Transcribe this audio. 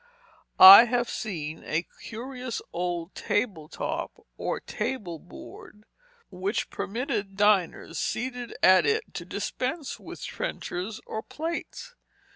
I have seen a curious old table top, or table board, which permitted diners seated at it to dispense with trenchers or plates.